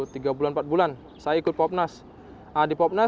tidak lama kemudian rio menemukan seorang pemain yang berpengaruh